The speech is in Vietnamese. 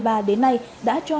đã cho hàng triệu đồng